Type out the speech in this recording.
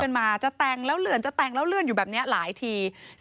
มาจะแต่งแล้วเลื่อนจะแต่งแล้วเลื่อนอยู่แบบนี้หลายที